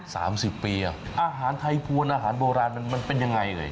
สามสิบปีอ่ะอาหารไทยพวนอาหารโบราณมันมันเป็นยังไงเลย